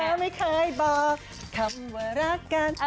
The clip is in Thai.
เธอไม่ค่อยบอกคำว่ารักกัน